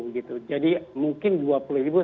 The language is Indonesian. begitu jadi mungkin dua puluh ribu